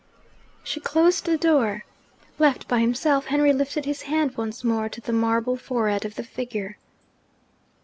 She closed the door. Left by himself, Henry lifted his hand once more to the marble forehead of the figure.